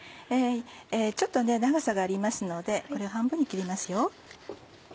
ちょっと長さがありますのでこれを半分に切ります。